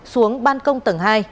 xuống ban công tầng hai